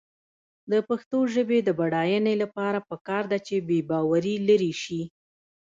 د پښتو ژبې د بډاینې لپاره پکار ده چې بېباوري لرې شي.